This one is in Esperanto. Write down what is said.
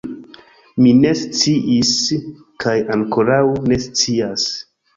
Mi ne sciis kaj ankoraŭ ne scias.